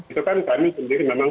itu kan kami sendiri memang